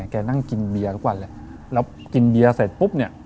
แกนั่งกินเบียร์ทุกวันแล้วกินเบียร์เสร็จปุ๊บ